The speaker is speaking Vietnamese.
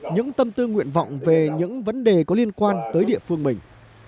những tâm tư nguyện vọng về những vấn đề có liên quan tới địa phương mình